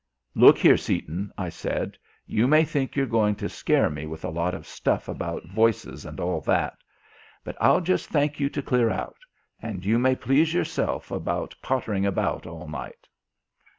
"Look here, Seaton," I said, "you may think you're going to scare me with a lot of stuff about voices and all that. But I'll just thank you to clear out; and you may please yourself about pottering about all night."